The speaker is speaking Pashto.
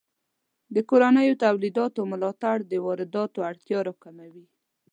د کورنیو تولیداتو ملاتړ د وارداتو اړتیا راکموي.